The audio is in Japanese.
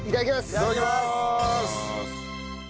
いただきます！